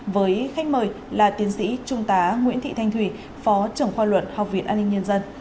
với khách mời là tiến sĩ trung tá nguyễn thị thanh thùy phó trưởng khoa luận học viện an ninh nhân dân